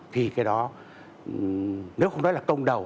thì cái đó nếu không nói là công đầu